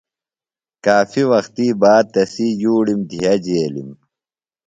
کافیۡ وختی باد تسی یُوڑِم دِھیہ جیلِم۔